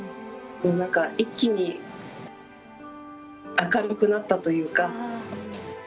一気に明るくなったというか。